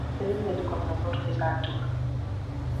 La sede del condado es Arthur.